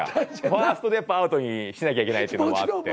ファーストでやっぱアウトにしなきゃいけないっていうのもあって。